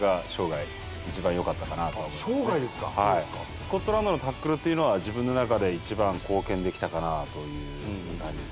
スコットランドのタックルっていうのは自分の中で一番貢献できたかなという感じですね。